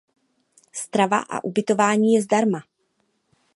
Strava a ubytování je zdarma.